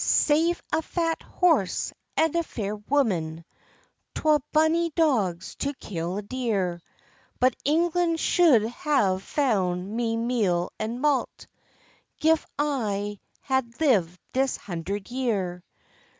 "Save a fat horse, and a fair woman, Twa bonnie dogs to kill a deer; But England shou'd have found me meal and mault, Gif I had lived this hundred year.